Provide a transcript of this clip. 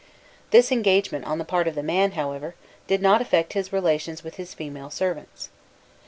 This engagement on the part of the man, however, did not affect his relations with his female servants.